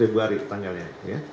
dua belas februari tanggalnya